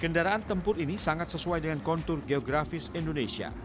kendaraan tempur ini sangat sesuai dengan kontur geografis indonesia